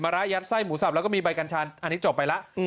มาร้ายัสไส้หมูสับแล้วก็มีใบกัญชาอันนี้จบไปละ